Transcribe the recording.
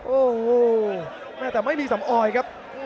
โอ้โหแม่แต่ไม่มีสำออยครับ